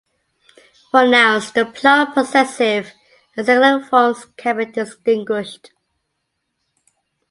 For nouns, the plural, possessive, and singular forms can be distinguished.